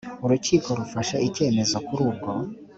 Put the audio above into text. urukiko rufashe icyemezo kuri ubwo